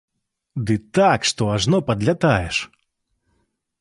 Ды так, што ажно падлятаеш!